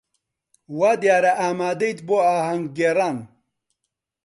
وا دیارە ئامادەیت بۆ ئاهەنگگێڕان.